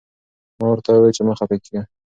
ما ورته وویل چې مه خفه کېږه.